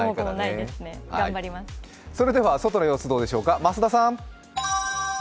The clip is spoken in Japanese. それでは外の様子どうでしょうか増田さん。